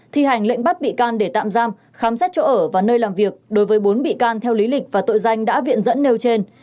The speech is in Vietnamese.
thi hành lệnh bắt bị can để tạm giam khám xét chỗ ở và nơi làm việc đối với bốn bị can theo lý lịch và tội danh đã viện dẫn nêu trên